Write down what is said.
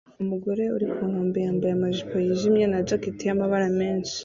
Umugore uri ku nkombe yambaye amajipo yijimye na jacket y'amabara menshi